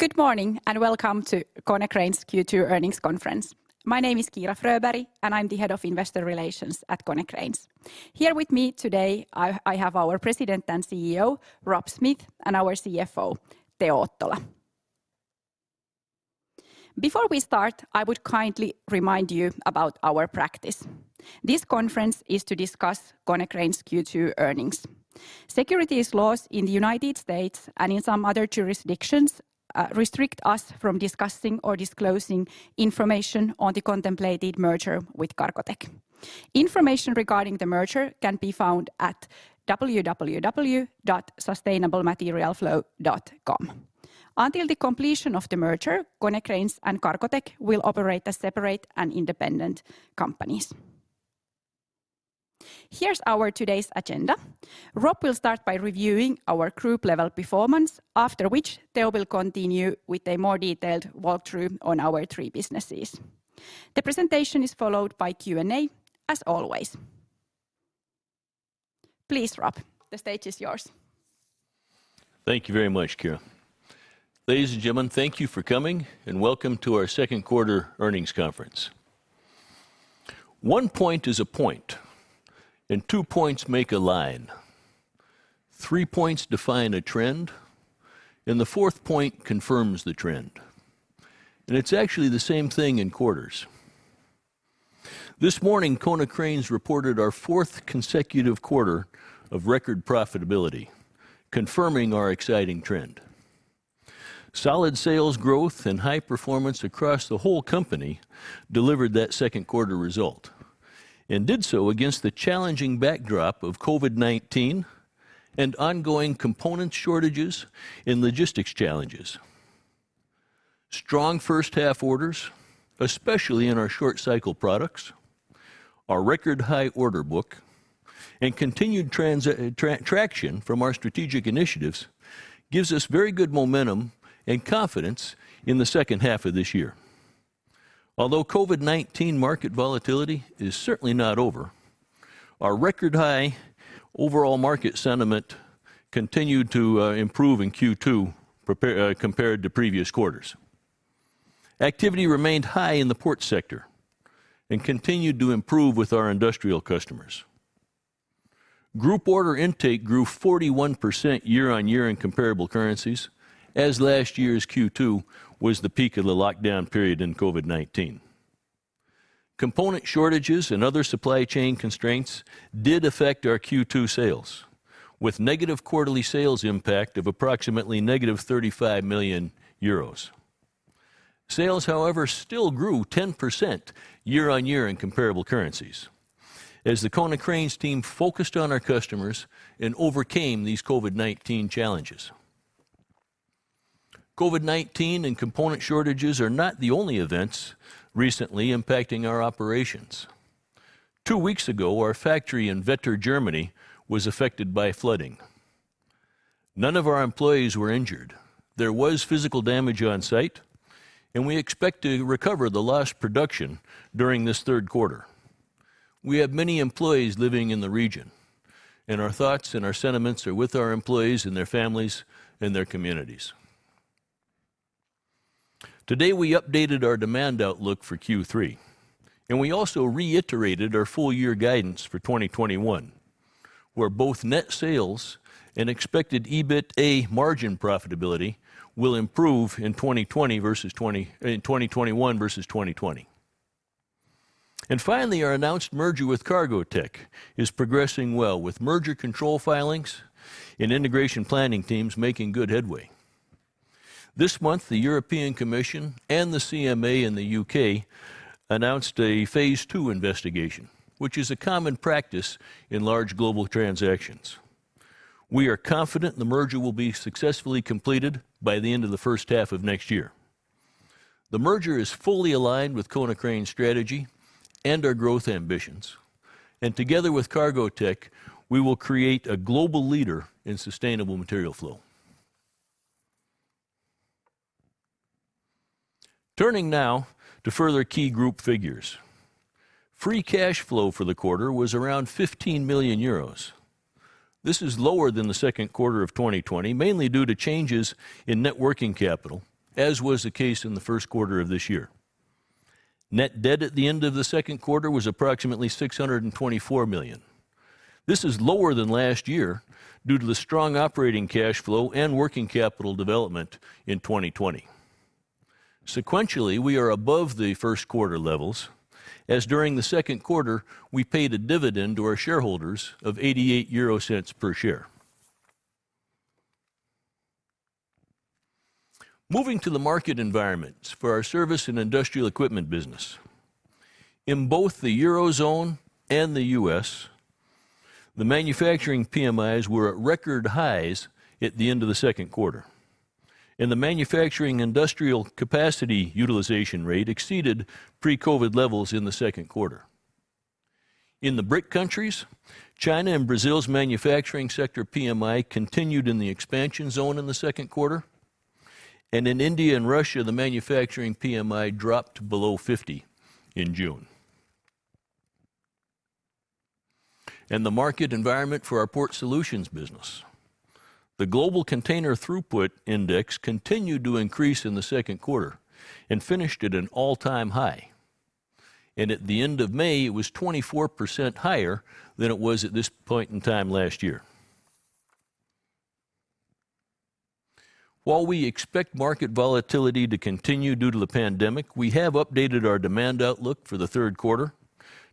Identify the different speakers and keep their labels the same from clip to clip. Speaker 1: Good morning, and welcome to Konecranes Q2 earnings conference. My name is Kiira Fröberg, and I'm the head of investor relations at Konecranes. Here with me today, I have our president and CEO, Rob Smith, and our CFO, Teo Ottola. Before we start, I would kindly remind you about our practice. This conference is to discuss Konecranes Q2 earnings. Securities laws in the United States and in some other jurisdictions restrict us from discussing or disclosing information on the contemplated merger with Cargotec. Information regarding the merger can be found at www.sustainablematerialflow.com. Until the completion of the merger, Konecranes and Cargotec will operate as separate and independent companies. Here's our today's agenda. Rob will start by reviewing our group-level performance, after which Teo will continue with a more detailed walkthrough on our three businesses. The presentation is followed by Q&A as always. Please, Rob, the stage is yours.
Speaker 2: Thank you very much, Kiira. Ladies and gentlemen, thank you for coming, and welcome to our Q2 earnings conference. One point is a point, and two points make a line. Three points define a trend, and the fourth point confirms the trend, and it's actually the same thing in quarters. This morning, Konecranes reported our fourth consecutive quarter of record profitability, confirming our exciting trend. Solid sales growth and high performance across the whole company delivered that Q2 result and did so against the challenging backdrop of COVID-19 and ongoing component shortages and logistics challenges. Strong H1 orders, especially in our short cycle products, our record high order book, and continued traction from our strategic initiatives gives us very good momentum and confidence in the H2 of this year. Although COVID-19 market volatility is certainly not over, our record high overall market sentiment continued to improve in Q2 compared to previous quarters. Activity remained high in the port sector and continued to improve with our industrial customers. Group order intake grew 41% year-on-year in comparable currencies as last year's Q2 was the peak of the lockdown period in COVID-19. Component shortages and other supply chain constraints did affect our Q2 sales, with negative quarterly sales impact of approximately -35 million euros. Sales, however, still grew 10% year-on-year in comparable currencies as the Konecranes team focused on our customers and overcame these COVID-19 challenges. COVID-19 and component shortages are not the only events recently impacting our operations. Two weeks ago, our factory in Wetter, Germany, was affected by flooding. None of our employees were injured. There was physical damage on site. We expect to recover the lost production during this Q3. We have many employees living in the region. Our thoughts and our sentiments are with our employees and their families and their communities. Today, we updated our demand outlook for Q3. We also reiterated our full year guidance for 2021, where both net sales and expected EBITA margin profitability will improve in 2021 versus 2020. Finally, our announced merger with Cargotec is progressing well with merger control filings and integration planning teams making good headway. This month, the European Commission and the CMA in the U.K. announced a phase II investigation, which is a common practice in large global transactions. We are confident the merger will be successfully completed by the end of the H1 of next year. The merger is fully aligned with Konecranes' strategy and our growth ambitions. Together with Cargotec, we will create a global leader in sustainable material flow. Turning now to further key group figures. Free cash flow for the quarter was around 15 million euros. This is lower than the Q2 of 2020, mainly due to changes in net working capital, as was the case in the Q1 of this year. Net debt at the end of the Q2 was approximately 624 million. This is lower than last year due to the strong operating cash flow and working capital development in 2020. Sequentially, we are above the Q1 levels, as during the Q2, we paid a dividend to our shareholders of 0.88 per share. Moving to the market environments for our Service and Industrial Equipment business. In both the Eurozone and the U.S., the manufacturing PMIs were at record highs at the end of the Q2, and the manufacturing industrial capacity utilization rate exceeded pre-COVID levels in the Q2. In the BRIC countries, China and Brazil's manufacturing sector PMI continued in the expansion zone in the Q2, and in India and Russia, the manufacturing PMI dropped below 50 in June. The market environment for our Port Solutions business. The global container throughput index continued to increase in the Q2 and finished at an all-time high. At the end of May, it was 24% higher than it was at this point in time last year. While we expect market volatility to continue due to the pandemic, we have updated our demand outlook for the Q3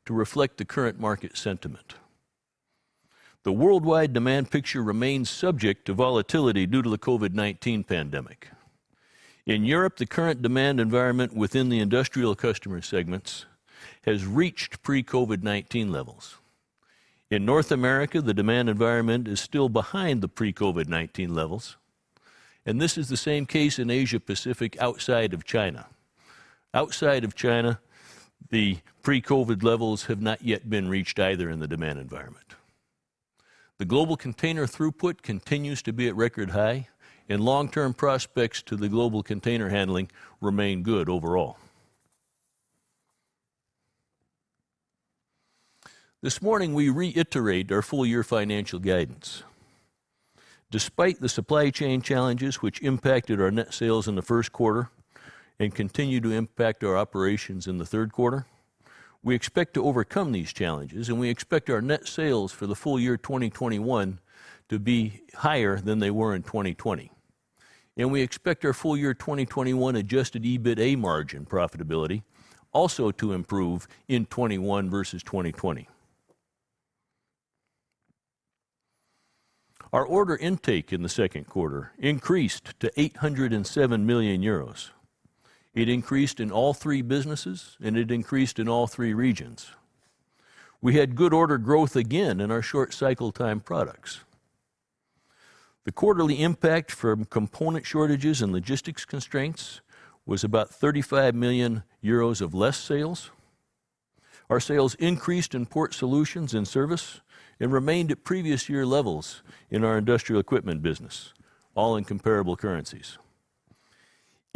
Speaker 2: to reflect the current market sentiment. The worldwide demand picture remains subject to volatility due to the COVID-19 pandemic. In Europe, the current demand environment within the industrial customer segments has reached pre-COVID-19 levels. In North America, the demand environment is still behind the pre-COVID-19 levels, and this is the same case in Asia Pacific, outside of China. Outside of China, the pre-COVID levels have not yet been reached either in the demand environment. The global container throughput continues to be at record high and long-term prospects to the global container handling remain good overall. This morning, we reiterate our full-year financial guidance. Despite the supply chain challenges which impacted our net sales in the Q1 and continue to impact our operations in the Q3, we expect to overcome these challenges, and we expect our net sales for the full year 2021 to be higher than they were in 2020. We expect our full-year 2021 adjusted EBITA margin profitability also to improve in 2021 versus 2020. Our order intake in the Q2 increased to 807 million euros. It increased in all three businesses, and it increased in all three regions. We had good order growth again in our short cycle time products. The quarterly impact from component shortages and logistics constraints was about 35 million euros of less sales. Our sales increased in Port Solutions and Service and remained at previous year levels in our Industrial Equipment business, all in comparable currencies.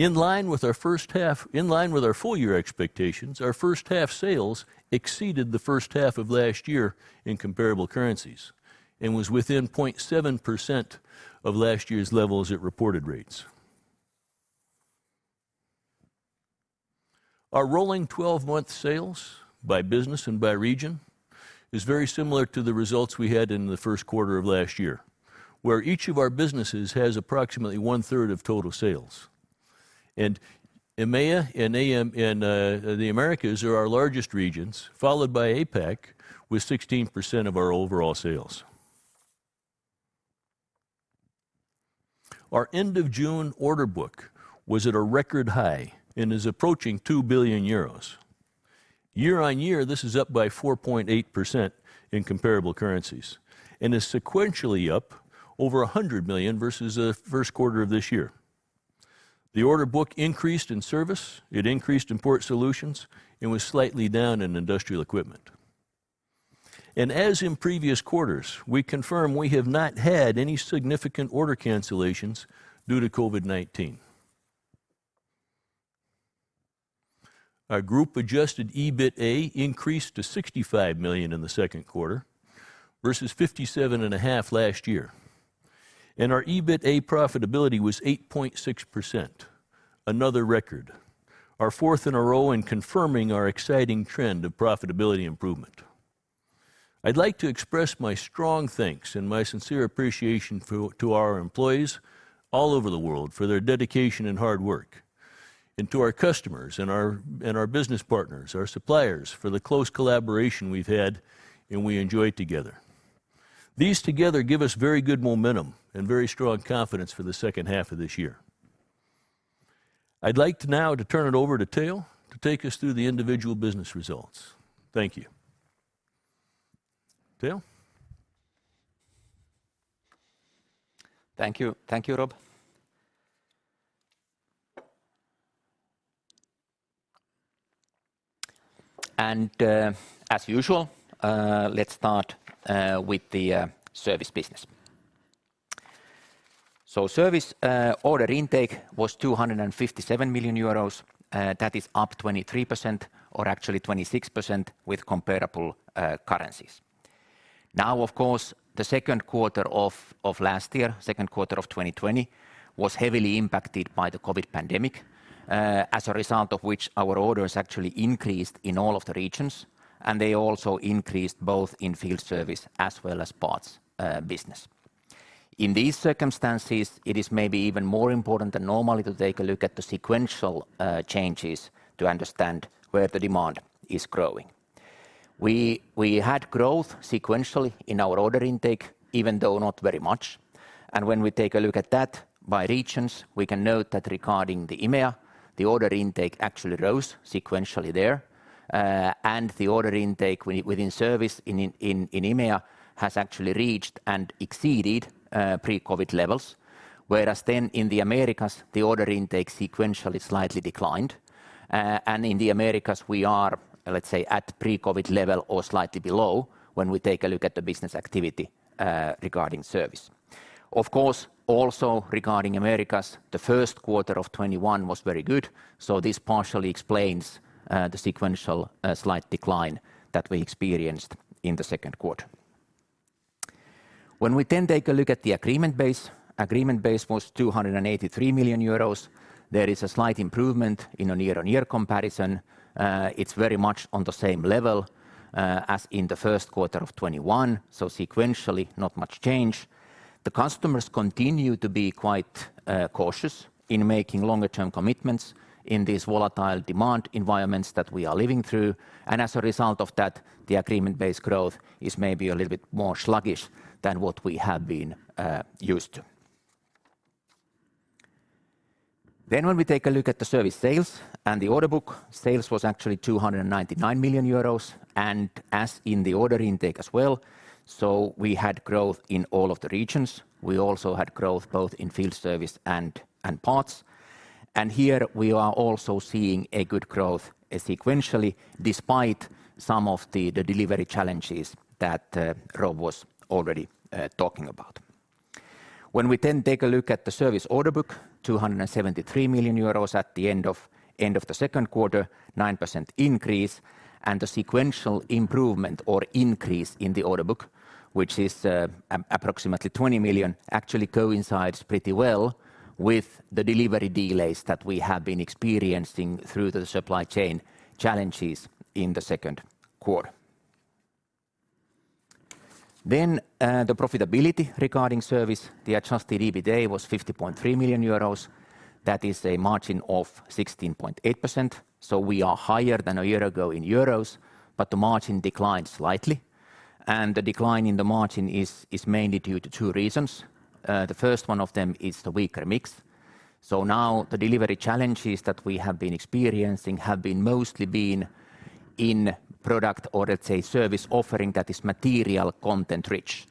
Speaker 2: In line with our full-year expectations, our H1 sales exceeded the H1 of last year in comparable currencies and was within 0.7% of last year's levels at reported rates. Our rolling 12-month sales by business and by region is very similar to the results we had in the Q1 of last year, where each of our businesses has approximately one-third of total sales. EMEA and the Americas are our largest regions, followed by APAC with 16% of our overall sales. Our end of June order book was at a record high and is approaching 2 billion euros. Year-on-year, this is up by 4.8% in comparable currencies and is sequentially up over 100 million versus the Q1 of this year. The order book increased in Service, it increased in Port Solutions, and was slightly down in Industrial Equipment. As in previous quarters, we confirm we have not had any significant order cancellations due to COVID-19. Our group-adjusted EBITA increased to 65 million in the Q2 versus EUR 57.5 last year. Our EBITA profitability was 8.6%, another record, our fourth in a row, and confirming our exciting trend of profitability improvement. I'd like to express my strong thanks and my sincere appreciation to our employees all over the world for their dedication and hard work, and to our customers and our business partners, our suppliers, for the close collaboration we've had and we enjoy together. These together give us very good momentum and very strong confidence for the H2 of this year. I'd like now to turn it over to Teo to take us through the individual business results. Thank you. Teo?
Speaker 3: Thank you, Rob. As usual, let's start with the Service. Service order intake was 257 million euros. That is up 23%, or actually 26% with comparable currencies. Of course, the Q2 of last year, Q2 of 2020, was heavily impacted by the COVID-19 pandemic, as a result of which our orders actually increased in all of the regions, and they also increased both in field service as well as parts business. In these circumstances, it is maybe even more important than normal to take a look at the sequential changes to understand where the demand is growing. We had growth sequentially in our order intake, even though not very much. When we take a look at that by regions, we can note that regarding the EMEA, the order intake actually rose sequentially there. The order intake within Service in EMEA has actually reached and exceeded pre-COVID levels. In the Americas, the order intake sequentially slightly declined. In the Americas, we are, let's say, at pre-COVID level or slightly below when we take a look at the business activity regarding Service. Of course, also regarding Americas, the Q1 of 2021 was very good, so this partially explains the sequential slight decline that we experienced in the Q2. When we take a look at the agreement base, agreement base was 283 million euros. There is a slight improvement in a year-on-year comparison. It's very much on the same level as in the Q1 of 2021, so sequentially, not much change. The customers continue to be quite cautious in making longer term commitments in this volatile demand environments that we are living through. As a result of that, the agreement-based growth is maybe a little bit more sluggish than what we have been used to. When we take a look at the service sales and the order book, sales was actually 299 million euros and as in the order intake as well. We had growth in all of the regions. We also had growth both in field service and parts. Here we are also seeing a good growth sequentially despite some of the delivery challenges that Rob was already talking about. The Service order book, 273 million euros at the end of the Q2, 9% increase and a sequential improvement or increase in the order book, which is approximately 20 million, actually coincides pretty well with the delivery delays that we have been experiencing through the supply chain challenges in the Q2. The profitability regarding Service, the adjusted EBITA was 50.3 million euros. That is a margin of 16.8%. We are higher than a year ago in euros, but the margin declined slightly. The decline in the margin is mainly due to two reasons. The first one of them is the weaker mix. Now the delivery challenges that we have been experiencing have been mostly in product or let's say Service offering that is material content rich.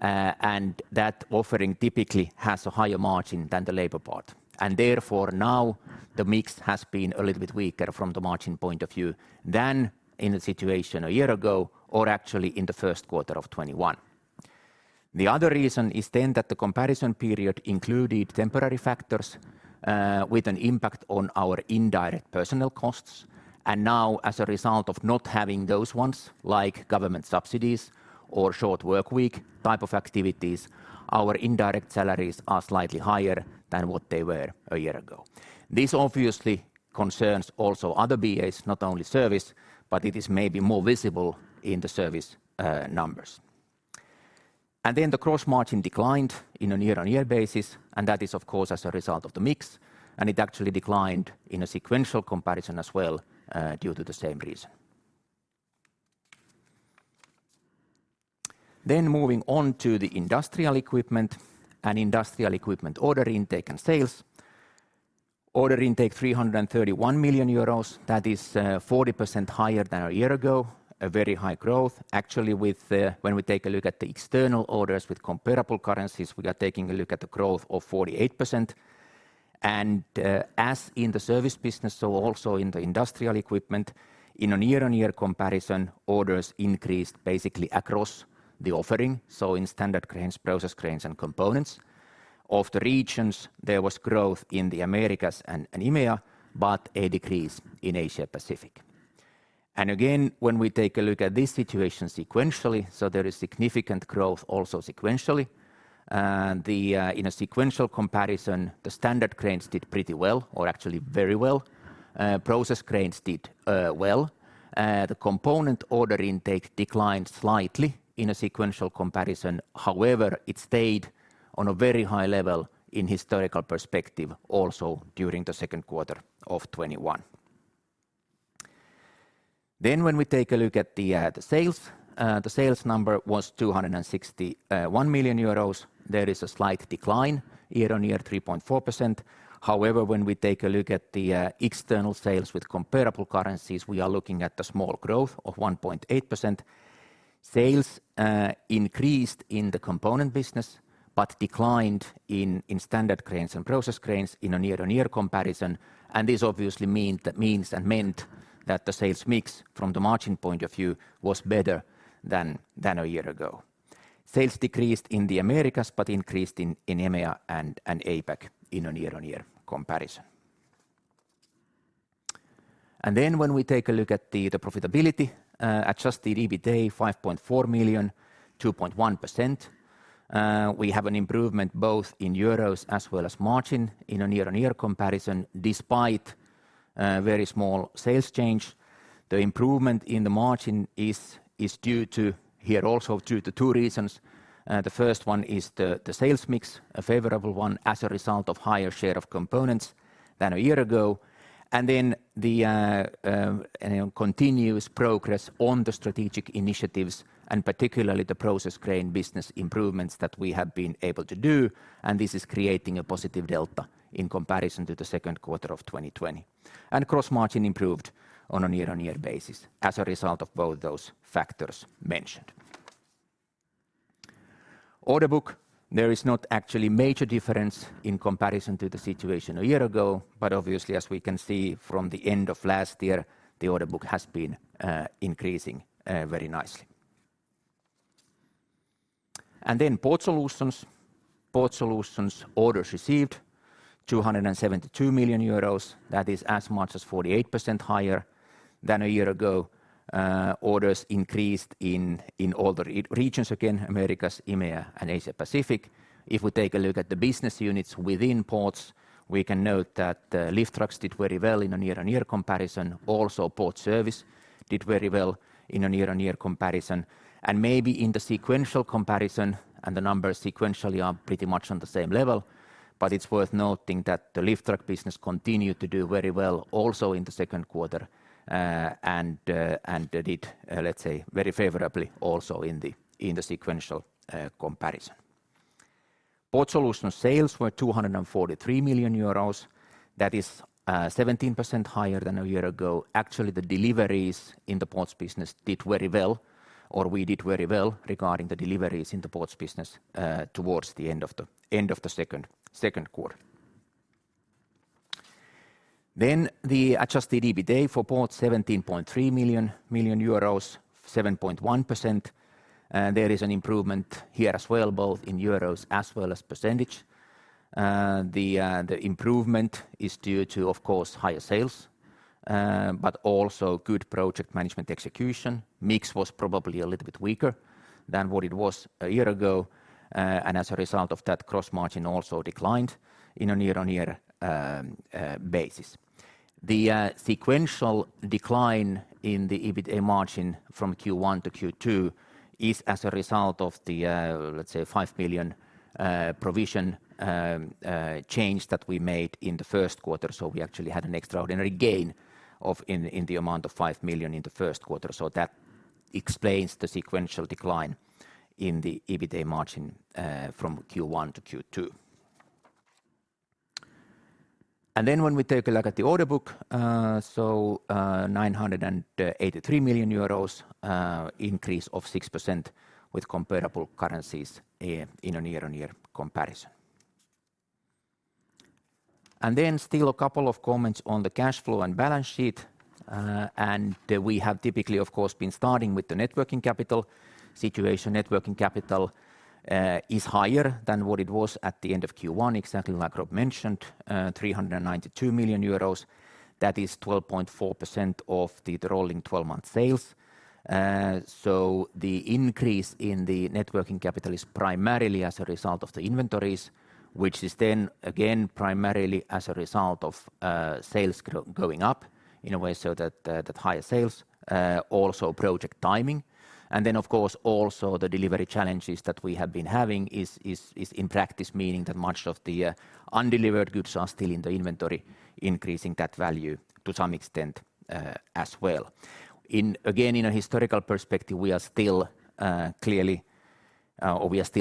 Speaker 3: That offering typically has a higher margin than the labor part. Therefore now the mix has been a little bit weaker from the margin point of view than in a situation a year ago or actually in the Q1 of 2021. The other reason is then that the comparison period included temporary factors, with an impact on our indirect personnel costs. Now as a result of not having those ones, like government subsidies or short work week type of activities, our indirect salaries are slightly higher than what they were a year ago. This obviously concerns also other BAs, not only Service, but it is maybe more visible in the Service numbers. The gross margin declined in a year-on-year basis, and that is of course, as a result of the mix, and it actually declined in a sequential comparison as well due to the same reason. Moving on to the Industrial Equipment and Industrial Equipment order intake and sales. Order intake 331 million euros. That is 40% higher than a year ago. A very high growth actually. When we take a look at the external orders with comparable currencies, we are taking a look at the growth of 48%. As in the Service business, also in the Industrial Equipment, in a year-on-year comparison, orders increased basically across the offering. In standard cranes, process cranes and components. Of the regions, there was growth in the Americas and EMEA, but a decrease in Asia-Pacific. Again, when we take a look at this situation sequentially, there is significant growth also sequentially. In a sequential comparison, the standard cranes did pretty well or actually very well. Process cranes did well. The component order intake declined slightly in a sequential comparison. However, it stayed on a very high level in historical perspective also during the Q2 of 2021. When we take a look at the sales, the sales number was 261 million euros. There is a slight decline year-over-year, 3.4%. However, when we take a look at the external sales with comparable currencies, we are looking at the small growth of 1.8%. Sales increased in the component business but declined in standard cranes and process cranes in a year-over-year comparison. This obviously means and meant that the sales mix from the margin point of view was better than a year ago. Sales decreased in the Americas, but increased in EMEA and APAC in a year-on-year comparison. When we take a look at the profitability, adjusted EBITA 5.4 million, 2.1%. We have an improvement both in EUR as well as margin in a year-on-year comparison despite very small sales change. The improvement in the margin is due to here also due to two reasons. The first one is the sales mix, a favorable one as a result of higher share of components than a year ago. The continuous progress on the strategic initiatives and particularly the process crane business improvements that we have been able to do. This is creating a positive delta in comparison to the Q2 of 2020. Gross margin improved on a year-on-year basis as a result of both those factors mentioned. Order book, there is not actually major difference in comparison to the situation a year ago. Obviously, as we can see from the end of last year, the order book has been increasing very nicely. Port Solutions. Port Solutions orders received 272 million euros. That is as much as 48% higher than a year ago. Orders increased in all the regions again, Americas, EMEA, and Asia Pacific. If we take a look at the business units within Ports, we can note that lift trucks did very well in a year-on-year comparison. Also, Port Service did very well in a year-on-year comparison. Maybe in the sequential comparison, and the numbers sequentially are pretty much on the same level, but it's worth noting that the lift truck business continued to do very well also in the Q2 and did, let's say, very favorably also in the sequential comparison. Port Solutions sales were 243 million euros. That is 17% higher than a year ago. Actually, the deliveries in the Port Solutions business did very well, or we did very well regarding the deliveries in the Port Solutions business, towards the end of the Q2. The adjusted EBITA for Port Solutions EUR 17.3 million, 7.1%. There is an improvement here as well, both in euros as well as percentage. The improvement is due to, of course, higher sales, but also good project management execution. Mix was probably a little bit weaker than what it was a year ago. As a result of that, gross margin also declined in a year-on-year basis. The sequential decline in the EBITA margin from Q1 to Q2 is as a result of the, let's say, 5 million provision change that we made in the Q1. We actually had an extraordinary gain in the amount of 5 million in the Q1. That explains the sequential decline in the EBITA margin from Q1 to Q2. When we take a look at the order book, 983 million euros, increase of 6% with comparable currencies in a year-on-year comparison. Still a couple of comments on the cash flow and balance sheet. We have typically, of course, been starting with the net working capital situation. Net working capital is higher than what it was at the end of Q1, exactly like Rob mentioned, 392 million euros. That is 12.4% of the rolling 12-month sales. The increase in the net working capital is primarily as a result of the inventories, which is then again primarily as a result of sales going up in a way so that higher sales, also project timing, and then of course also the delivery challenges that we have been having is in practice meaning that much of the undelivered goods are still in the inventory, increasing that value to some extent as well. Again, in a historical perspective, we are still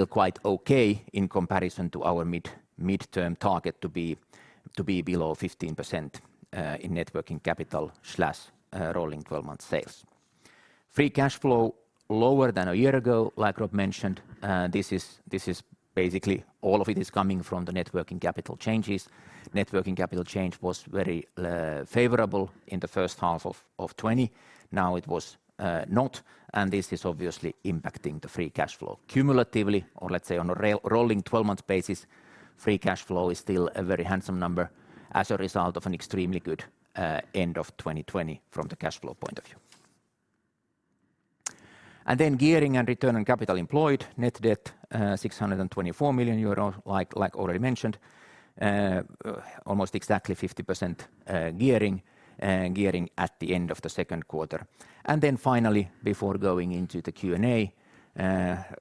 Speaker 3: quite okay in comparison to our midterm target to be below 15% in net working capital/rolling 12-month sales. Free cash flow lower than a year ago, like Rob mentioned. Basically, all of it is coming from the net working capital changes. Net working capital change was very favorable in the H1 of 2020. Now it was not, and this is obviously impacting the free cash flow cumulatively, or let's say on a rolling 12-month basis, free cash flow is still a very handsome number as a result of an extremely good end of 2020 from the cash flow point of view. Then gearing and return on capital employed, net debt, 624 million euros, like already mentioned, almost exactly 50% gearing at the end of the Q2. Then finally, before going into the Q&A,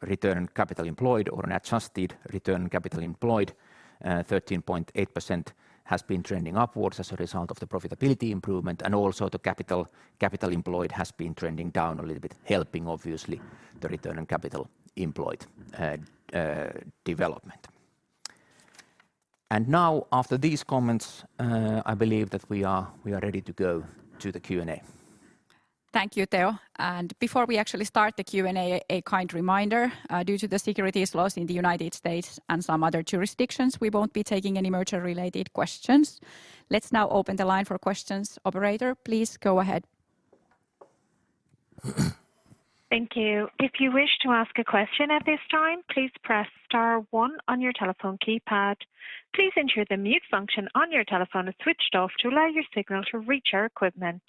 Speaker 3: return on capital employed or an adjusted return on capital employed, 13.8% has been trending upwards as a result of the profitability improvement and also the capital employed has been trending down a little bit, helping obviously the return on capital employed development. Now after these comments, I believe that we are ready to go to the Q&A.
Speaker 1: Thank you, Teo. Before we actually start the Q&A, a kind reminder, due to the securities laws in the U.S. and some other jurisdictions, we won't be taking any merger-related questions. Let's now open the line for questions. Operator, please go ahead.
Speaker 4: Thank you. If you wish to ask a question at this time, please press star one on your telephone keypad. Please ensure the mute function on your telephone is switched off to allow your signal to reach our equipment.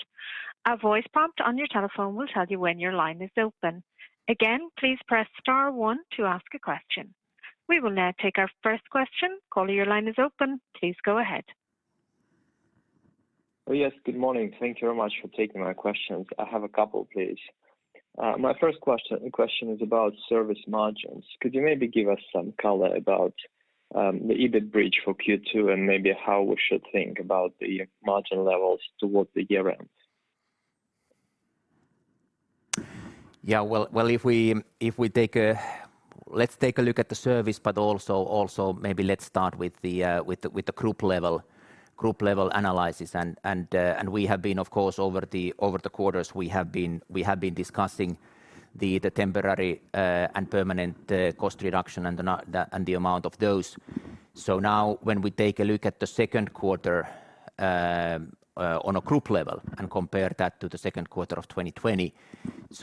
Speaker 4: A voice prompt on your telephone will tell you when your line is open. Again, please press star one to ask a question. We will now take our first question. Caller, your line is open. Please go ahead.
Speaker 5: Yes. Good morning. Thank you very much for taking my questions. I have a couple, please. My first question is about Service margins. Could you maybe give us some color about the EBIT bridge for Q2 and maybe how we should think about the margin levels towards the year-end?
Speaker 3: Yeah. Well, let's take a look at the service, but also maybe let's start with the group level analysis. We have been, of course, over the quarters, we have been discussing the temporary and permanent cost reduction and the amount of those. Now when we take a look at the Q2, on a group level, and compare that to the Q2 of 2020.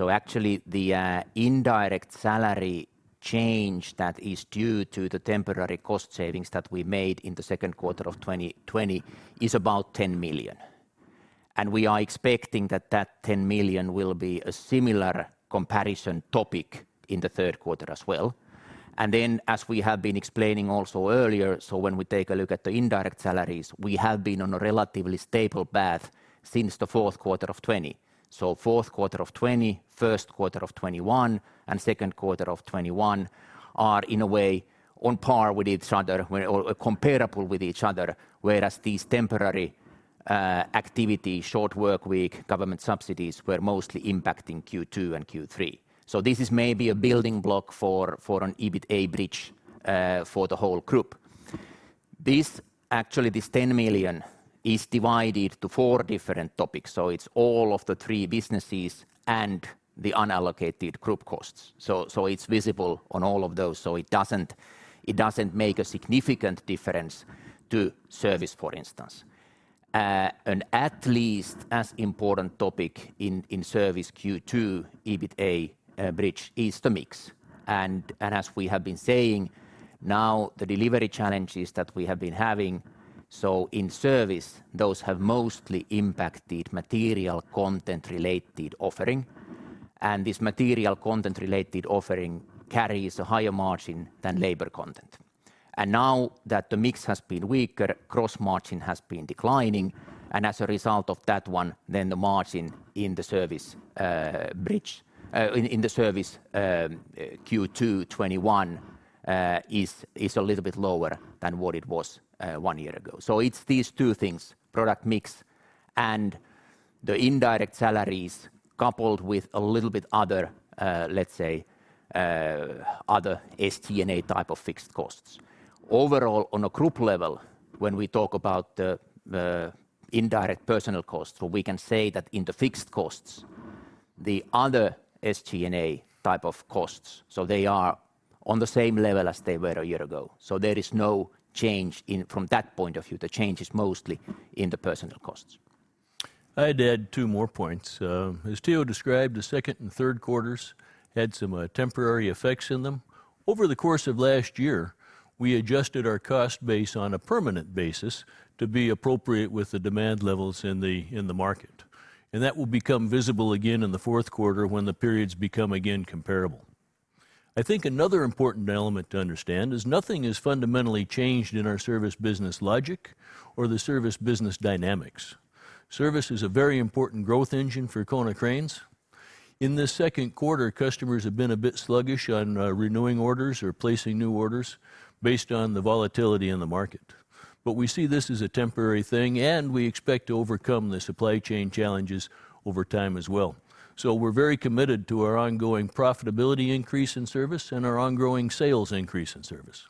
Speaker 3: Actually the indirect salary change that is due to the temporary cost savings that we made in the Q2 of 2020 is about 10 million. We are expecting that that 10 million will be a similar comparison topic in the Q3 as well. As we have been explaining also earlier, when we take a look at the indirect salaries, we have been on a relatively stable path since the Q4 of 2020. Q4 of 2020, Q1 of 2021, and Q2 of 2021 are in a way on par with each other, or comparable with each other, whereas these temporary activity, short work week, government subsidies, were mostly impacting Q2 and Q3. This is maybe a building block for an EBITA bridge for the whole group. Actually, this 10 million is divided to four different topics. It's all of the three businesses and the unallocated group costs. It's visible on all of those, so it doesn't make a significant difference to Service, for instance. An at least as important topic in Service Q2 EBITA bridge is the mix. As we have been saying, now the delivery challenges that we have been having, so in Service, those have mostly impacted material content related offering. This material content related offering carries a higher margin than labor content. Now that the mix has been weaker, gross margin has been declining, and as a result of that one, then the margin in the Service Q2 2021 is a little bit lower than what it was one year ago. It's these two things, product mix and the indirect salaries coupled with a little bit other, let's say, other SG&A type of fixed costs. Overall, on a group level, when we talk about the indirect personal costs, we can say that in the fixed costs, the other SG&A type of costs, they are on the same level as they were a year ago. There is no change from that point of view. The change is mostly in the personal costs.
Speaker 2: I'd add two more points. As Teo described, the second and Q3 had some temporary effects in them. Over the course of last year, we adjusted our cost base on a permanent basis to be appropriate with the demand levels in the market. That will become visible again in the Q4 when the periods become again comparable. I think another important element to understand is nothing has fundamentally changed in our Service business logic or the Service business dynamics. Service is a very important growth engine for Konecranes. In the Q2, customers have been a bit sluggish on renewing orders or placing new orders based on the volatility in the market. We see this as a temporary thing, and we expect to overcome the supply chain challenges over time as well. We're very committed to our ongoing profitability increase in Service and our ongoing sales increase in Service.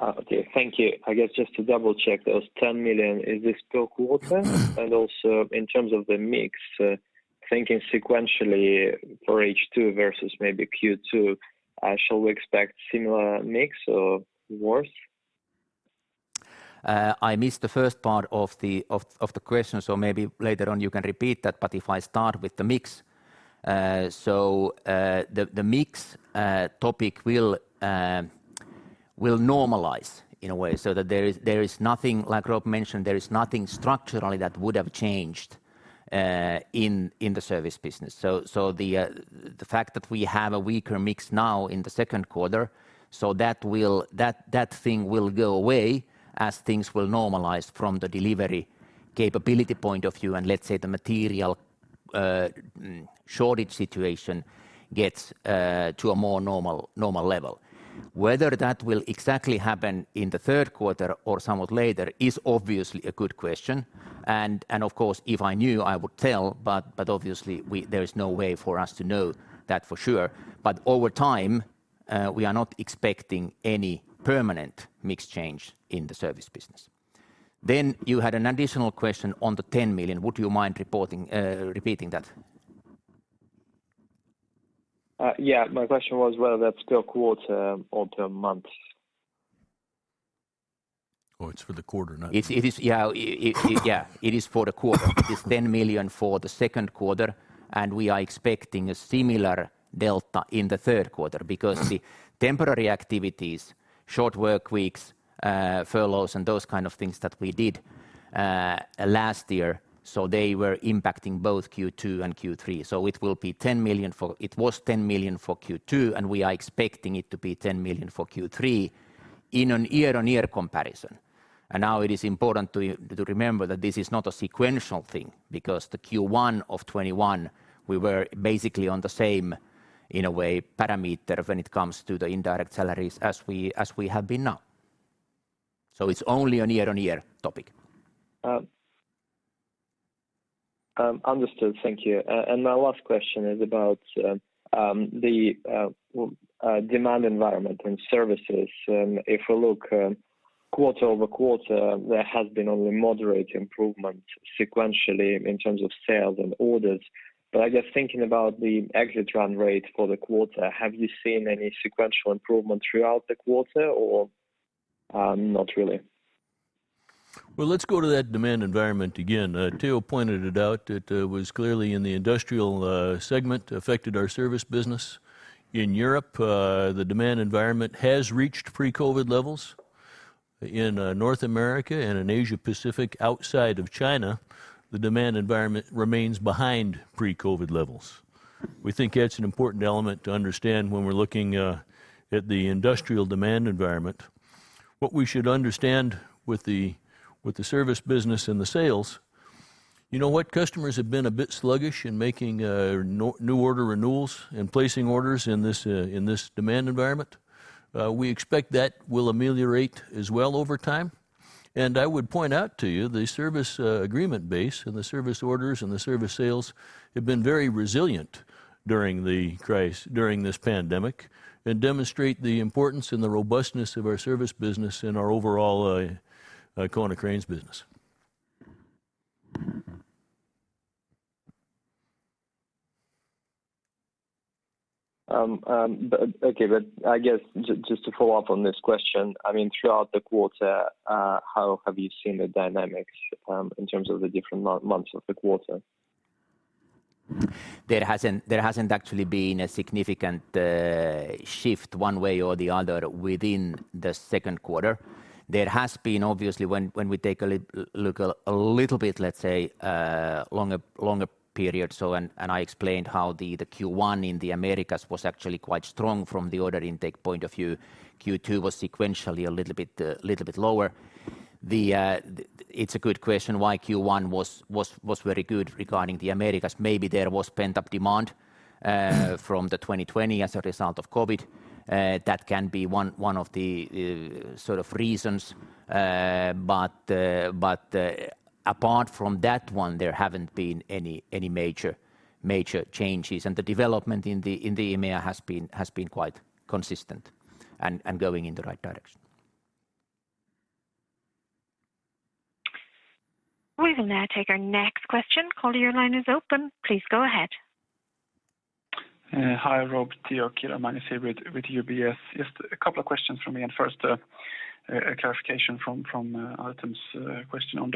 Speaker 5: Okay. Thank you. I guess just to double-check, those 10 million, is this per quarter? Also in terms of the mix, thinking sequentially for H2 versus maybe Q2, shall we expect similar mix or worse?
Speaker 3: I missed the first part of the question, maybe later on you can repeat that. If I start with the mix, the mix topic will normalize in a way so that there is nothing, like Rob mentioned, there is nothing structurally that would have changed in the Service business. The fact that we have a weaker mix now in the Q2, that thing will go away as things will normalize from the delivery capability point of view and, let's say, the material shortage situation gets to a more normal level. Whether that will exactly happen in the Q3 or somewhat later is obviously a good question. Of course, if I knew, I would tell, but obviously there is no way for us to know that for sure. Over time, we are not expecting any permanent mix change in the Service business. You had an additional question on the 10 million. Would you mind repeating that?
Speaker 5: Yeah. My question was whether that's per quarter or per month?
Speaker 2: Oh, it's for the quarter, not.
Speaker 3: Yeah. It is for the quarter. It's 10 million for the Q2, and we are expecting a similar delta in the Q3 because the temporary activities, short work weeks, furloughs, and those kind of things that we did last year, so they were impacting both Q2 and Q3. It was 10 million for Q2, and we are expecting it to be 10 million for Q3 in a year-on-year comparison. Now it is important to remember that this is not a sequential thing because the Q1 of 2021, we were basically on the same, in a way, parameter when it comes to the indirect salaries as we have been now. It's only a year-on-year topic.
Speaker 5: Understood. Thank you. My last question is about the demand environment and services. If we look, quarter-over-quarter, there has been only moderate improvement sequentially in terms of sales and orders. I guess thinking about the exit run rate for the quarter, have you seen any sequential improvement throughout the quarter, or not really?
Speaker 2: Well, let's go to that demand environment again. Teo pointed it out. It was clearly in the Industrial Equipment, affected our Service business. In Europe, the demand environment has reached pre-COVID-19 levels. In North America and in Asia Pacific outside of China, the demand environment remains behind pre-COVID-19 levels. We think that's an important element to understand when we're looking at the Industrial Equipment demand environment. What we should understand with the Service business and the sales, customers have been a bit sluggish in making new order renewals and placing orders in this demand environment. We expect that will ameliorate as well over time. I would point out to you, the Service agreement base and the Service orders and the Service sales have been very resilient during this pandemic and demonstrate the importance and the robustness of our Service business and our overall Konecranes business.
Speaker 5: Okay. I guess, just to follow up on this question, throughout the quarter, how have you seen the dynamics in terms of the different months of the quarter?
Speaker 3: There hasn't actually been a significant shift one way or the other within the Q2. There has been, obviously, when we take a look a little bit, let's say, longer period, and I explained how the Q1 in the Americas was actually quite strong from the order intake point of view. Q2 was sequentially a little bit lower. It's a good question why Q1 was very good regarding the Americas. Maybe there was pent-up demand from the 2020 as a result of COVID-19. That can be one of the sort of reasons. Apart from that one, there haven't been any major changes, and the development in the EMEA has been quite consistent and going in the right direction.
Speaker 4: We will now take our next question. Caller, your line is open. Please go ahead.
Speaker 6: Hi, Rob, Teo, Kiira. Hemal Bhundia is here with UBS. Just a couple of questions from me, and first, a clarification from Artem Tokarenko's question on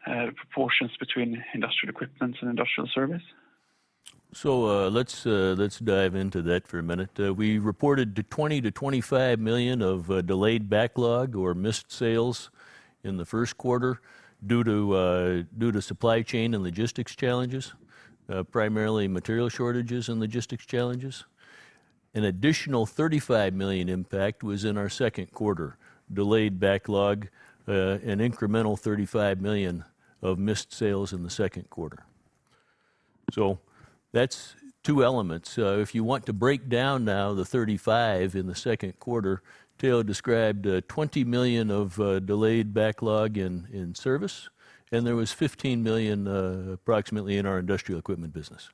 Speaker 6: the margin bridge in Service first. Teo, did I read you correctly that your headwinds were larger from mix than from the temporary costs?
Speaker 3: I think you heard exactly what I said. I said that the mix impact was at least as much as the fixed cost or the indirect salary topic. Yes.
Speaker 6: Perfect. That's good. Related to the supply chain challenges, obviously, you had a EUR 35 million headwind in the quarter, but I think in Q1, you were EUR 25 million. How are they allocated this quarter in terms of proportions between Industrial Equipment and Service?
Speaker 2: Let's dive into that for a minute. We reported 20 million-25 million of delayed backlog or missed sales in the Q1 due to supply chain and logistics challenges, primarily material shortages and logistics challenges. An additional 35 million impact was in our Q2, delayed backlog, an incremental 35 million of missed sales in the Q2. That's two elements. If you want to break down now the 35 million in the Q2, Teo described 20 million of delayed backlog in Service, and there was 15 million approximately in our Industrial Equipment business.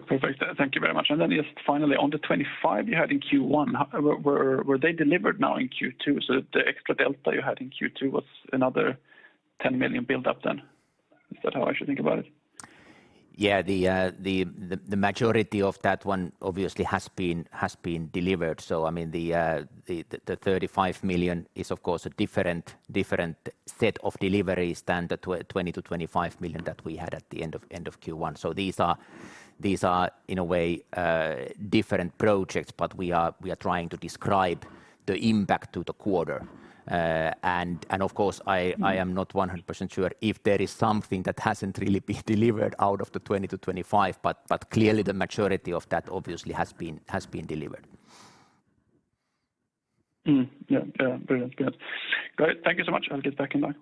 Speaker 6: Perfect. Thank you very much. Just finally, on the 25 you had in Q1, were they delivered now in Q2? The extra delta you had in Q2 was another 10 million build up then? Is that how I should think about it?
Speaker 3: Yeah. The majority of that one obviously has been delivered. The 35 million is, of course, a different set of deliveries than the 20 million-EUR25 million that we had at the end of Q1. These are, in a way, different projects, but we are trying to describe the impact to the quarter. Of course, I am not 100% sure if there is something that hasn't really been delivered out of the 20-25, but clearly the majority of that obviously has been delivered.
Speaker 6: Yeah. Brilliant. Great. Thank you so much. I'll give back in line.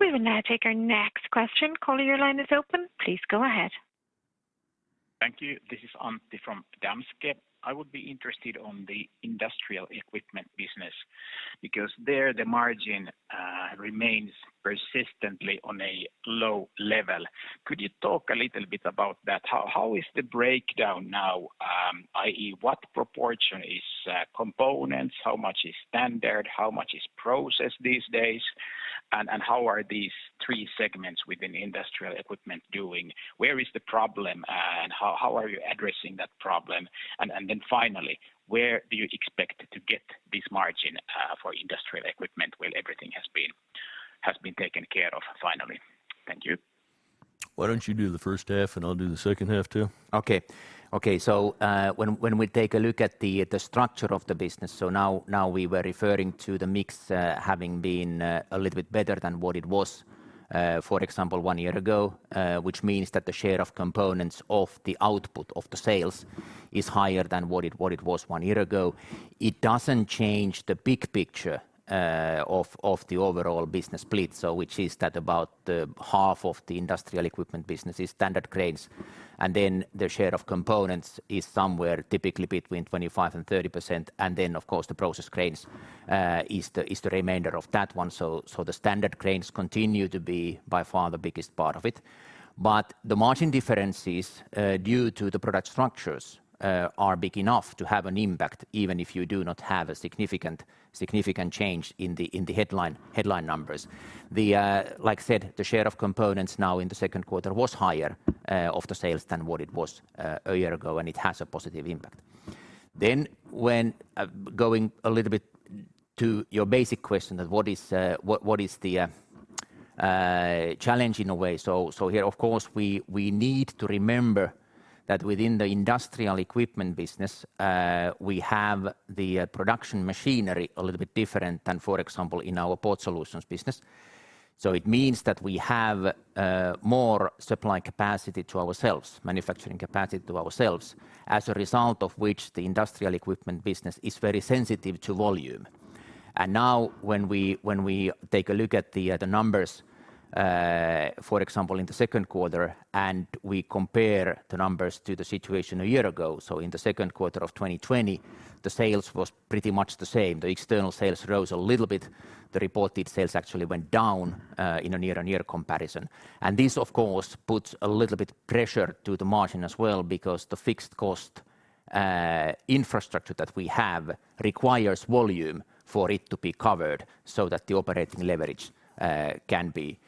Speaker 4: We will now take our next question. Caller, your line is open. Please go ahead.
Speaker 7: Thank you. This is Antti from Danske Bank. I would be interested on the Industrial Equipment business because there the margin remains persistently on a low level. Could you talk a little bit about that? How is the breakdown now, i.e. what proportion is components, how much is Standard, how much is Process these days? How are these three segments within Industrial Equipment doing? Where is the problem, how are you addressing that problem? Then finally, where do you expect to get this margin for Industrial Equipment when everything has been taken care of finally? Thank you.
Speaker 2: Why don't you do the H1 and I'll do the H2, too?
Speaker 3: Okay. When we take a look at the structure of the business, now we were referring to the mix having been a little bit better than what it was, for example, one year ago, which means that the share of components of the output of the sales is higher than what it was one year ago. It doesn't change the big picture of the overall business split, which is that about half of the Industrial Equipment business is standard cranes, and the share of components is somewhere typically between 25% and 30%. Of course, the process cranes is the remainder of that one. The standard cranes continue to be by far the biggest part of it. The margin differences due to the product structures are big enough to have an impact, even if you do not have a significant change in the headline numbers. Like I said, the share of components now in the Q2 was higher of the sales than what it was a year ago, and it has a positive impact. Going a little bit to your basic question of what is the challenge in a way? Here, of course, we need to remember that within the Industrial Equipment business, we have the production machinery a little bit different than, for example, in our Port Solutions business. It means that we have more supply capacity to ourselves, manufacturing capacity to ourselves, as a result of which the Industrial Equipment business is very sensitive to volume. When we take a look at the numbers, for example, in the H2, and we compare the numbers to the situation a year ago. In the Q2 of 2020, the sales was pretty much the same. The external sales rose a little bit. The reported sales actually went down in a year-on-year comparison. This, of course, puts a little bit pressure to the margin as well because the fixed cost infrastructure that we have requires volume for it to be covered so that the operating leverage can be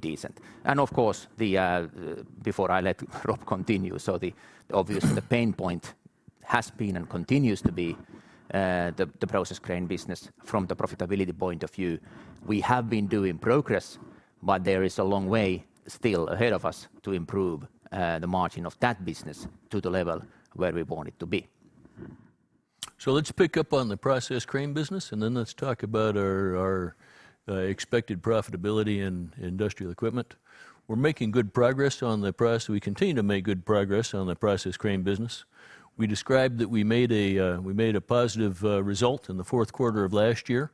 Speaker 3: decent. Of course, before I let Rob continue, so obviously the pain point has been and continues to be the process crane business from the profitability point of view. We have been doing progress, but there is a long way still ahead of us to improve the margin of that business to the level where we want it to be.
Speaker 2: Let's pick up on the process crane business, and then let's talk about our expected profitability in Industrial Equipment. We're making good progress. We continue to make good progress on the process crane business. We described that we made a positive result in the Q4 of last year,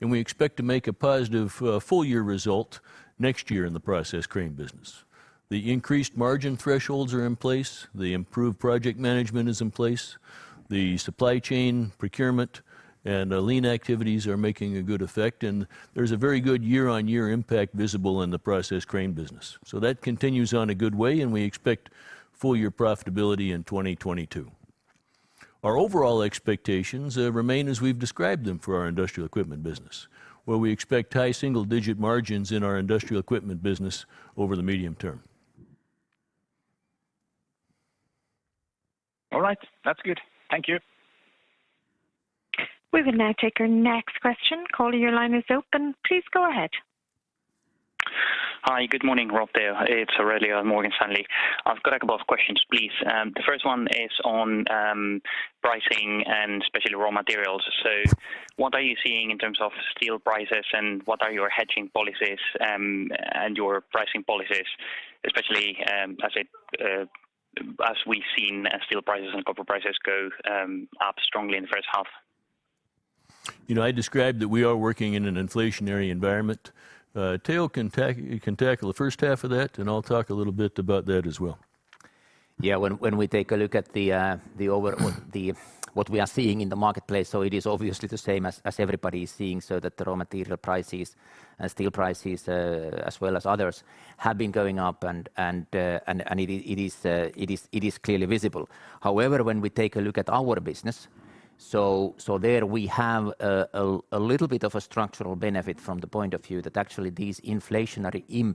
Speaker 2: and we expect to make a positive full-year result next year in the process crane business. The increased margin thresholds are in place. The improved project management is in place. The supply chain procurement and lean activities are making a good effect, and there's a very good year-over-year impact visible in the process crane business. That continues on a good way, and we expect full-year profitability in 2022. Our overall expectations remain as we've described them for our Industrial Equipment business, where we expect high single-digit margins in our Industrial Equipment business over the medium term.
Speaker 7: All right. That's good. Thank you.
Speaker 4: We will now take our next question. Caller, your line is open. Please go ahead.
Speaker 8: Hi. Good morning, Rob, Teo. It's Aurelio at Morgan Stanley. I've got a couple of questions, please. The first one is on pricing and especially raw materials. What are you seeing in terms of steel prices, and what are your hedging policies and your pricing policies, especially as we've seen steel prices and copper prices go up strongly in the H1?
Speaker 2: I described that we are working in an inflationary environment. Teo can tackle the first half of that, and I'll talk a little bit about that as well.
Speaker 3: When we take a look at what we are seeing in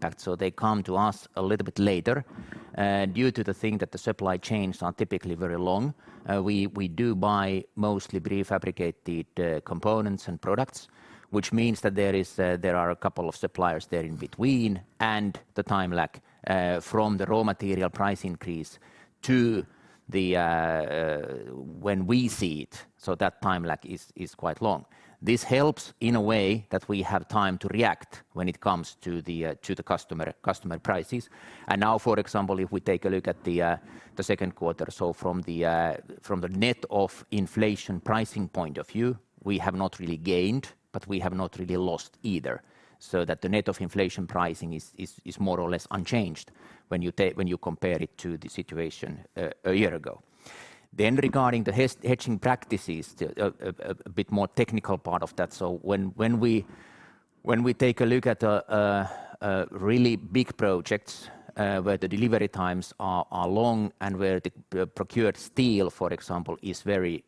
Speaker 3: when you compare it to the situation a year ago. Regarding the hedging practices, a bit more technical part of that. When we take a look at really big projects where the delivery times are long and where the procured steel, for example, is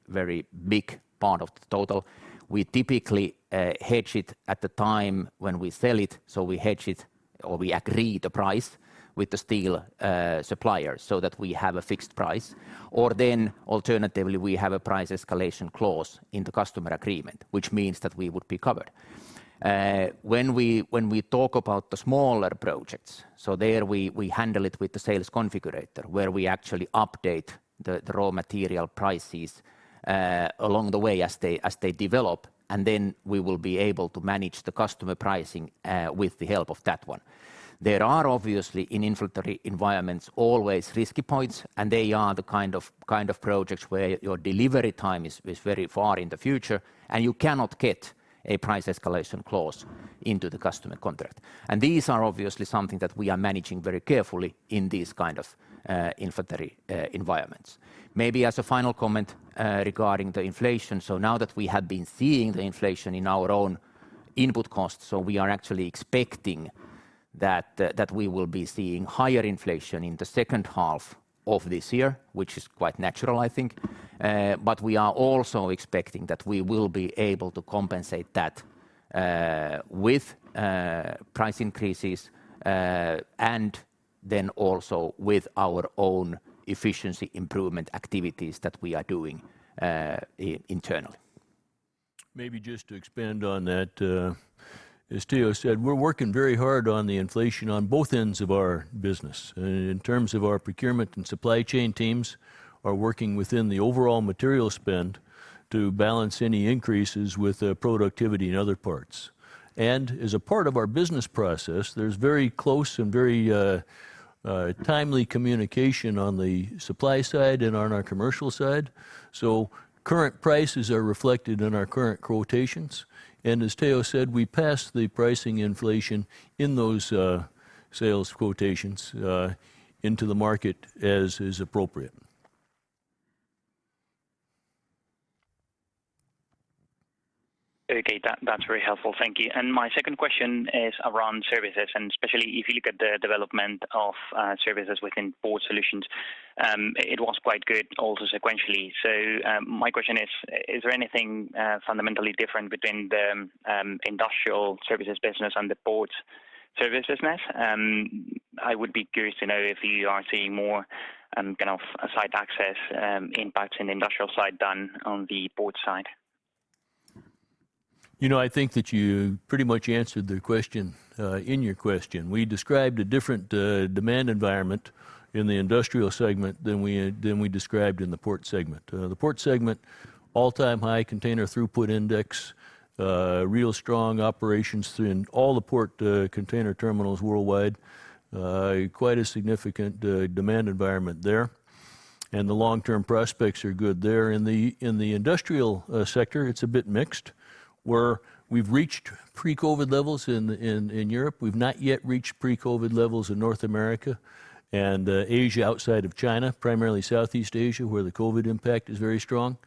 Speaker 3: very big part of the total, we typically hedge it at the time when we sell it. We hedge it or we agree the price with the steel supplier so that we have a fixed price. Alternatively, we have a price escalation clause in the customer agreement, which means that we would be covered. When we talk about the smaller projects, there we handle it with the sales configurator, where we actually update the raw material prices along the way as they develop. We will be able to manage the customer pricing with the help of that one. There are obviously, in inventory environments, always risky points. They are the kind of projects where your delivery time is very far in the future, and you cannot get a price escalation clause into the customer contract. These are obviously something that we are managing very carefully in these kind of inventory environments. Maybe as a final comment regarding the inflation, now that we have been seeing the inflation in our own input costs, we are actually expecting that we will be seeing higher inflation in the H2 of this year, which is quite natural, I think. We are also expecting that we will be able to compensate that with price increases, and also with our own efficiency improvement activities that we are doing internally.
Speaker 2: Maybe just to expand on that. As Teo said, we're working very hard on the inflation on both ends of our business. In terms of our procurement and supply chain teams are working within the overall material spend to balance any increases with productivity in other parts. As a part of our business process, there's very close and very timely communication on the supply side and on our commercial side. Current prices are reflected in our current quotations. As Teo said, we pass the pricing inflation in those sales quotations into the market as is appropriate.
Speaker 8: Okay. That's very helpful. Thank you. My second question is around services, especially if you look at the development of services within Port Solutions, it was quite good also sequentially. My question is there anything fundamentally different between the Service business and the Port Solutions business? I would be curious to know if you are seeing more kind of site access impacts in the industrial side than on the port side.
Speaker 2: I think that you pretty much answered the question in your question. We described a different demand environment in the Industrial segment than we described in the Port segment. The Port segment, all-time high global container throughput index, real strong operations in all the port container terminals worldwide, quite a significant demand environment there. The long-term prospects are good there. In the Industrial sector, it's a bit mixed, where we've reached pre-COVID-19 levels in Europe. We've not yet reached pre-COVID-19 levels in North America and Asia outside of China, primarily Southeast Asia, where the COVID-19 impact is very strong.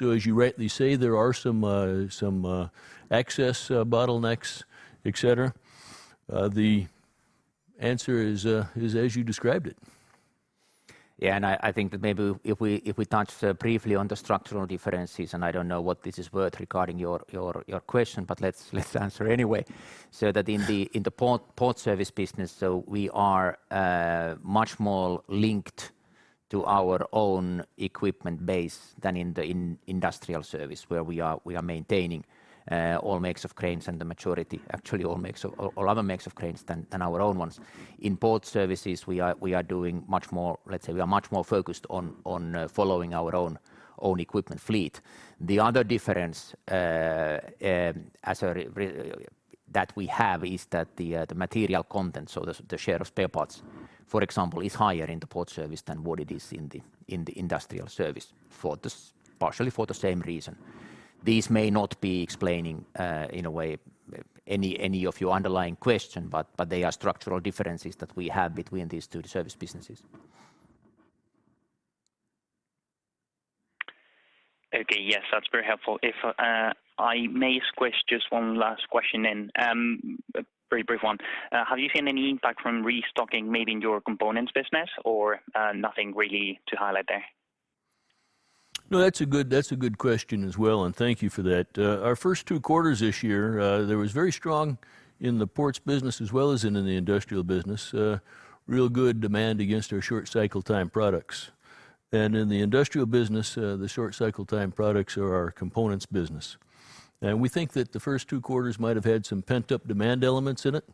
Speaker 2: As you rightly say, there are some access bottlenecks, et cetera. The answer is as you described it.
Speaker 3: I think that maybe if we touch briefly on the structural differences, I don't know what this is worth regarding your question, let's answer anyway. That in the Port Solutions business, we are much more linked to our own equipment base than in the Industrial Equipment where we are maintaining all makes of cranes and the majority, actually all other makes of cranes than our own ones. In Port Solutions, we are doing much more, we are much more focused on following our own equipment fleet. The other difference that we have is that the material content, the share of spare parts, for example, is higher in the Port Solutions than what it is in the Industrial Equipment, partially for the same reason. These may not be explaining in a way any of your underlying question, but they are structural differences that we have between these two service businesses.
Speaker 8: Okay. Yes, that's very helpful. If I may squeeze just one last question in, a very brief one. Have you seen any impact from restocking maybe in your components business or nothing really to highlight there?
Speaker 2: That's a good question as well, thank you for that. Our first two quarters this year, there was very strong in the ports business as well as in the industrial business, real good demand against our short cycle time products. In the industrial business, the short cycle time products are our components business. We think that the first two quarters might have had some pent-up demand elements in it.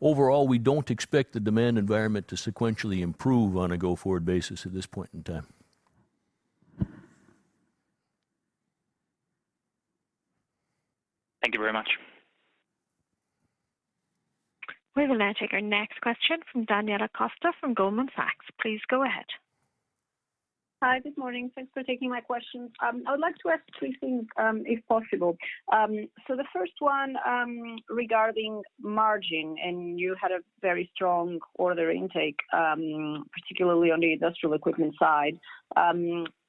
Speaker 2: Overall, we don't expect the demand environment to sequentially improve on a go-forward basis at this point in time.
Speaker 8: Thank you very much.
Speaker 4: We will now take our next question from Daniela Costa from Goldman Sachs. Please go ahead.
Speaker 9: Hi, good morning. Thanks for taking my questions. I would like to ask three things, if possible. The first one, regarding margin, and you had a very strong order intake, particularly on the Industrial Equipment side.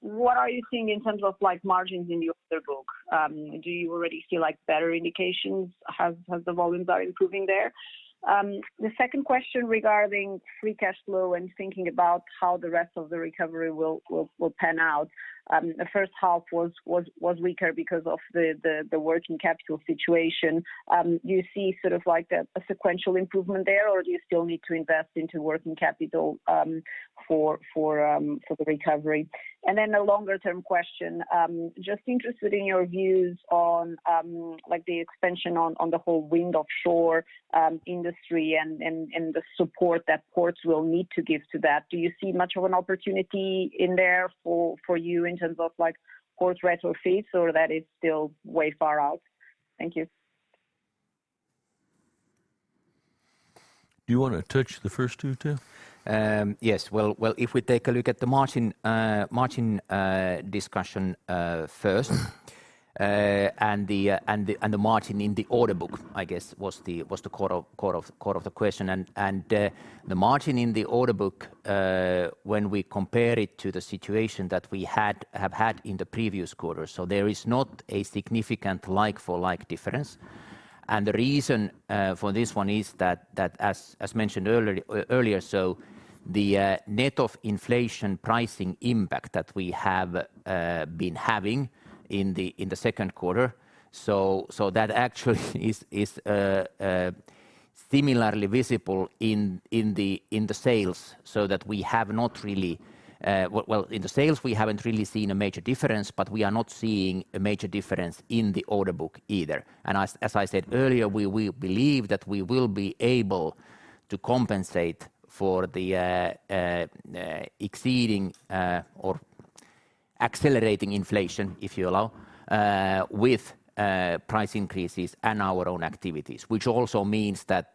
Speaker 9: What are you seeing in terms of margins in the order book? Do you already see better indications as the volumes are improving there? The second question regarding free cash flow and thinking about how the rest of the recovery will pan out. The first half was weaker because of the working capital situation. Do you see sort of like a sequential improvement there, or do you still need to invest into working capital for the recovery? A longer-term question. Just interested in your views on the expansion on the whole wind offshore industry and the support that ports will need to give to that. Do you see much of an opportunity in there for you in terms of port retrofits, or that is still way far out? Thank you.
Speaker 2: Do you want to touch the first two, Teo?
Speaker 3: Yes. Well, if we take a look at the margin discussion first, and the margin in the order book, I guess, was the core of the question. The margin in the order book, when we compare it to the situation that we have had in the previous quarter, so there is not a significant like-for-like difference. The reason for this one is that, as mentioned earlier, so the net of inflation pricing impact that we have been having in the Q2, so that actually is similarly visible in the sales so that Well, in the sales, we haven't really seen a major difference, but we are not seeing a major difference in the order book either. As I said earlier, we believe that we will be able to compensate for the exceeding or accelerating inflation, if you allow, with price increases and our own activities, which also means that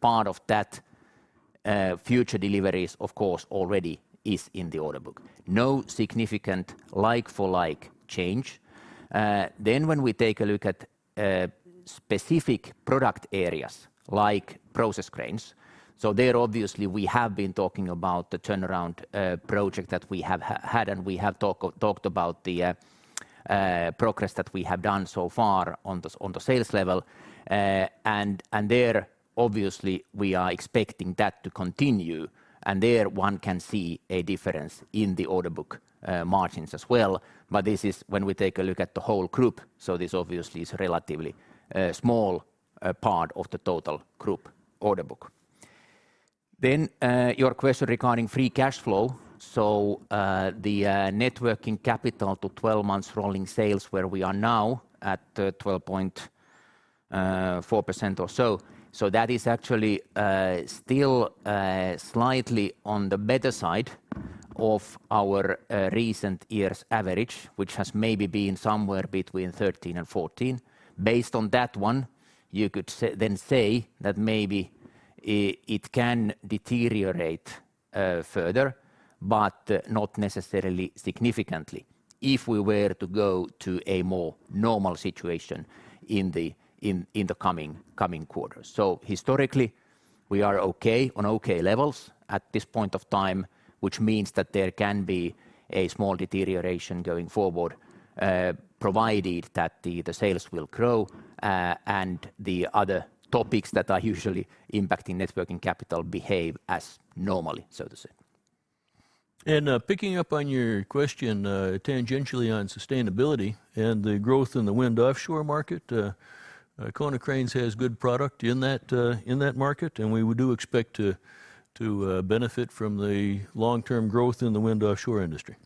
Speaker 3: part of that future deliveries, of course, already is in the order book. No significant like-for-like change. When we take a look at specific product areas, like process cranes, there obviously we have been talking about the turnaround project that we have had, and we have talked about the progress that we have done so far on the sales level. There, obviously, we are expecting that to continue, and there one can see a difference in the order book margins as well. This is when we take a look at the whole group, this obviously is a relatively small part of the total group order book. Your question regarding free cash flow. The net working capital to 12 months rolling sales, where we are now at 12.4% or so. That is actually still slightly on the better side of our recent year's average, which has maybe been somewhere between 13% and 14%. Based on that one, you could then say that maybe it can deteriorate further, but not necessarily significantly if we were to go to a more normal situation in the coming quarters. Historically, we are on okay levels at this point of time, which means that there can be a small deterioration going forward, provided that the sales will grow, and the other topics that are usually impacting net working capital behave as normally, so to say.
Speaker 2: Picking up on your question tangentially on sustainability and the growth in the wind offshore market, Konecranes has a good product in that market, and we do expect to benefit from the long-term growth in the wind offshore industry.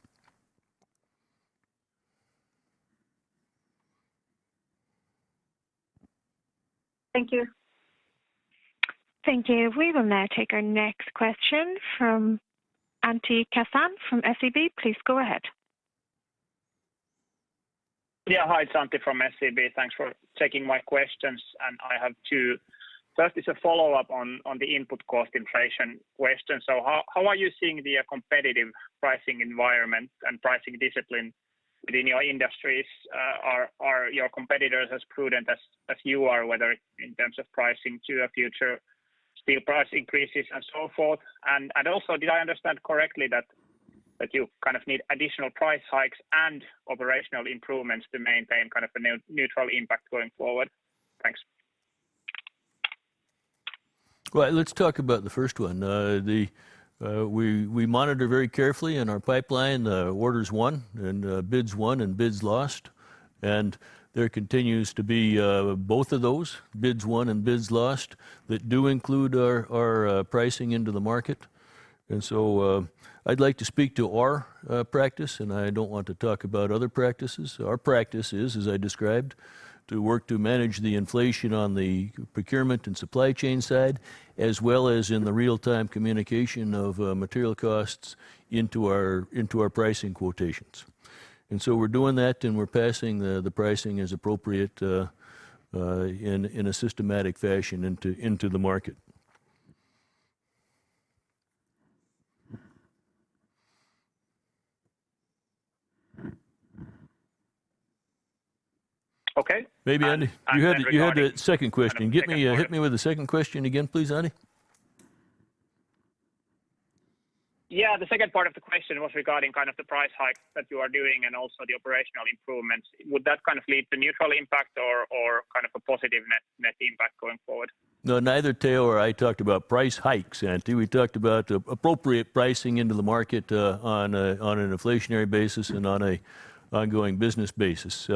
Speaker 9: Thank you.
Speaker 4: Thank you. We will now take our next question from Antti Kansanen from SEB. Please go ahead.
Speaker 10: Yeah. Hi, it's Antti Kansanen from SEB. Thanks for taking my questions. I have two. First is a follow-up on the input cost inflation question. How are you seeing the competitive pricing environment and pricing discipline within your industries? Are your competitors as prudent as you are, whether in terms of pricing to future steel price increases and so forth? Also, did I understand correctly that you kind of need additional price hikes and operational improvements to maintain a neutral impact going forward? Thanks.
Speaker 2: Well, let's talk about the first one. We monitor very carefully in our pipeline the orders won and bids won and bids lost. There continues to be both of those, bids won and bids lost, that do include our pricing into the market. I'd like to speak to our practice, and I don't want to talk about other practices. Our practice is, as I described, to work to manage the inflation on the procurement and supply chain side, as well as in the real-time communication of material costs into our pricing quotations. We're doing that, and we're passing the pricing as appropriate in a systematic fashion into the market.
Speaker 10: Okay.
Speaker 2: Maybe, Antti, you had a second question. Hit me with the second question again, please, Antti.
Speaker 10: Yeah, the second part of the question was regarding the price hike that you are doing and also the operational improvements. Would that lead to neutral impact or a positive net impact going forward?
Speaker 2: No, neither Teo or I talked about price hikes, Antti. We talked about appropriate pricing into the market on an inflationary basis and on an ongoing business basis.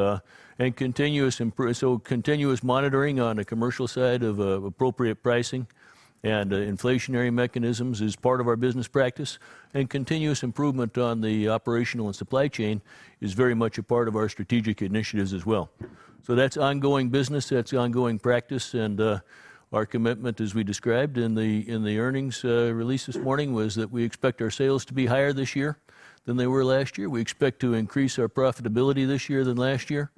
Speaker 2: Continuous monitoring on a commercial side of appropriate pricing and inflationary mechanisms is part of our business practice, and continuous improvement on the operational and supply chain is very much a part of our strategic initiatives as well. That's ongoing business, that's ongoing practice, and our commitment, as we described in the earnings release this morning, was that we expect our sales to be higher this year than they were last year. We expect to increase our profitability this year than last year.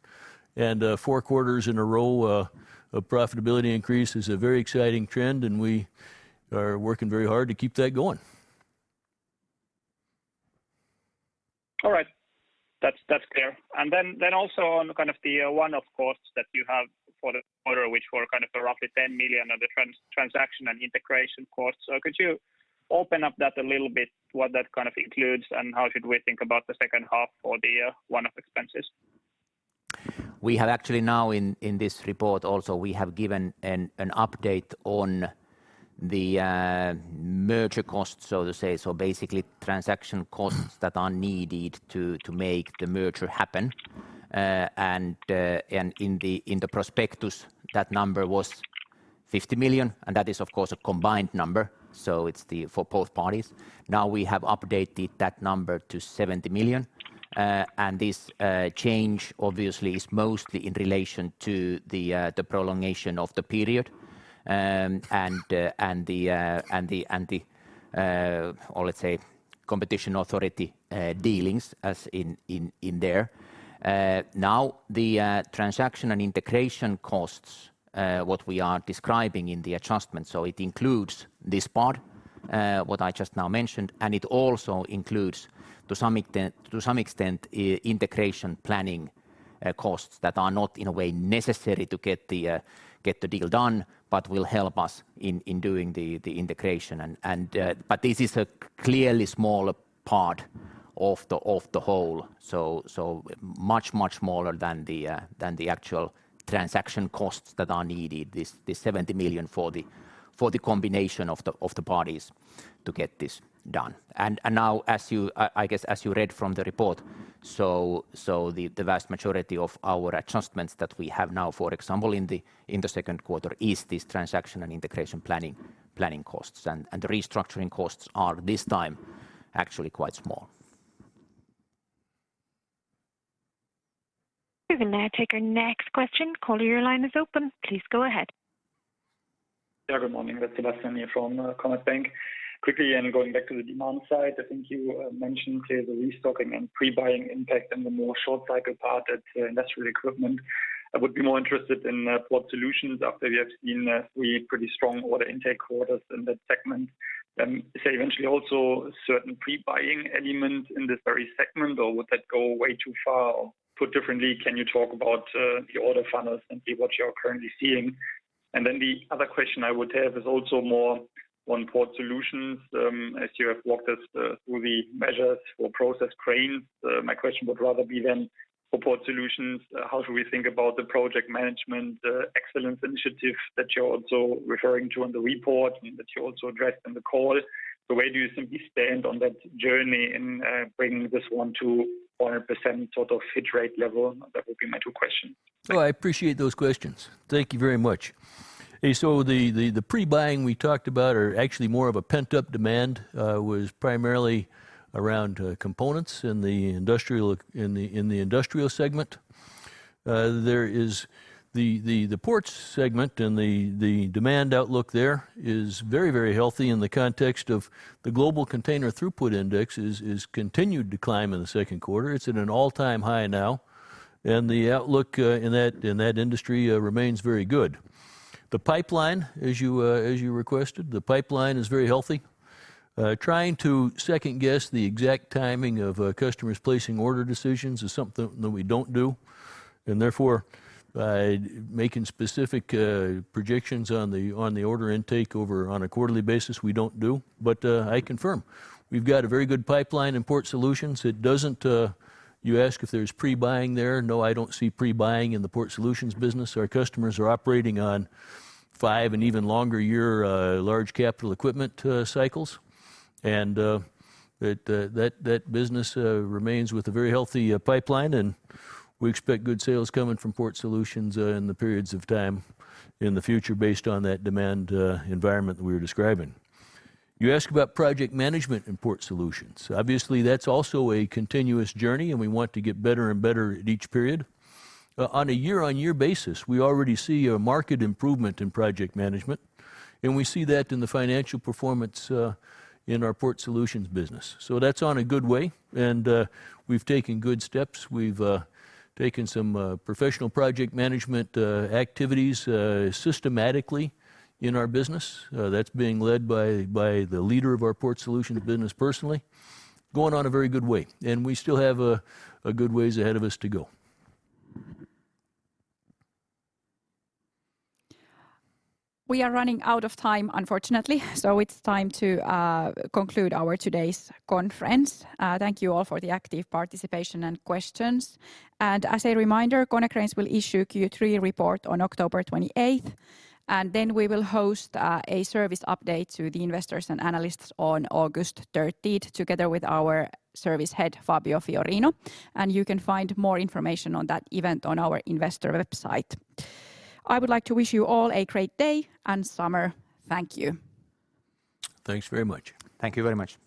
Speaker 2: Four quarters in a row of profitability increase is a very exciting trend, and we are working very hard to keep that going.
Speaker 10: All right. That's clear. Also on the one-off costs that you have for the quarter, which were roughly 10 million of the transaction and integration costs. Could you open up that a little bit, what that includes, and how should we think about the H2 for the one-off expenses?
Speaker 3: We have actually now in this report also, we have given an update on the merger costs, so to say. Basically, transaction costs that are needed to make the merger happen. In the prospectus, that number was 50 million, and that is, of course, a combined number, so it's for both parties. Now we have updated that number to 70 million, and this change obviously is mostly in relation to the prolongation of the period, and the, let's say, competition authority dealings as in there. Now, the transaction and integration costs, what we are describing in the adjustment, it includes this part, what I just now mentioned, and it also includes to some extent, integration planning costs that are not in a way necessary to get the deal done, but will help us in doing the integration. This is a clearly smaller part of the whole. Much, much smaller than the actual transaction costs that are needed, the 70 million for the combination of the parties to get this done. Now, I guess as you read from the report, the vast majority of our adjustments that we have now, for example, in the Q2, is this transaction and integration planning costs. The restructuring costs are, this time, actually quite small.
Speaker 4: We will now take our next question. Caller, your line is open. Please go ahead.
Speaker 11: Yeah, good morning. It's Sebastian from Commerzbank. Going back to the demand side, I think you mentioned the restocking and pre-buying impact in the more short cycle part at Industrial Equipment. I would be more interested in Port Solutions after we have seen three pretty strong order intake quarters in that segment. Say, eventually also a certain pre-buying element in this very segment, or would that go way too far? Put differently, can you talk about the order funnels and say what you're currently seeing? The other question I would have is also more on Port Solutions, as you have walked us through the measures for process cranes. My question would rather be then for Port Solutions, how should we think about the project management excellence initiative that you're also referring to in the report and that you also addressed in the call? Where do you simply stand on that journey in bringing this one to 100% sort of hit rate level? That would be my two questions.
Speaker 2: Well, I appreciate those questions. Thank you very much. The pre-buying we talked about are actually more of a pent-up demand, was primarily around components in the Industrial segment. There is the Port segment and the demand outlook there is very, very healthy in the context of the global container throughput index has continued to climb in the Q2. It's at an all-time high now, and the outlook in that industry remains very good. The pipeline, as you requested, the pipeline is very healthy. Trying to second guess the exact timing of customers placing order decisions is something that we don't do, and therefore by making specific projections on the order intake over on a quarterly basis, we don't do. I confirm, we've got a very good pipeline in Port Solutions. You ask if there's pre-buying there. No, I don't see pre-buying in the Port Solutions business. Our customers are operating on 5 and even longer year large capital equipment cycles, and that business remains with a very healthy pipeline, and we expect good sales coming from Port Solutions in the periods of time in the future based on that demand environment that we're describing. You ask about project management in Port Solutions. Obviously, that's also a continuous journey, and we want to get better and better at each period. On a year-on-year basis, we already see a market improvement in project management, and we see that in the financial performance in our Port Solutions business. That's on a good way, and we've taken good steps. We've taken some professional project management activities systematically in our business. That's being led by the leader of our Port Solutions business personally. Going on a very good way, and we still have good ways ahead of us to go.
Speaker 1: We are running out of time, unfortunately. It's time to conclude our today's conference. Thank you all for the active participation and questions. As a reminder, Konecranes will issue Q3 report on October 28th, and then we will host a Service update to the investors and analysts on August 30th, together with our service head, Fabio Fiorino. You can find more information on that event on our investor website. I would like to wish you all a great day and summer. Thank you.
Speaker 2: Thanks very much.
Speaker 3: Thank you very much.